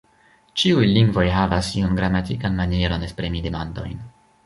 Ĉiuj lingvoj havas iun gramatikan manieron esprimi demandojn.